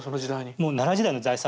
もう奈良時代の財産